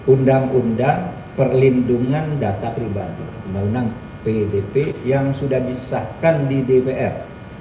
undang undang perlindungan data pribadi undang undang pdp yang sudah disahkan di dpr